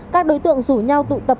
các đối tượng rủ nhau tụ tập